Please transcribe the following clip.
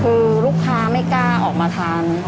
คือลูกค้าไม่กล้าออกมาทาน